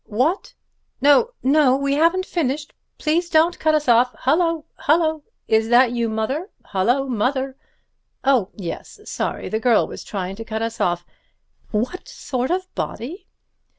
"What?—no, no, we haven't finished. Please don't cut us off. Hullo! Hullo! Is that you, Mother? Hullo!—Mother!—Oh, yes—sorry, the girl was trying to cut us off. What sort of body?"